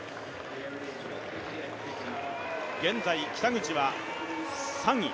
現在北口は３位。